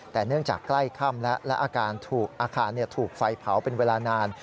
แต่เนื่องจากใกล้ค่ำแล้วและอาการถูกอาคารถูกไฟเผาเป็นเวลานาน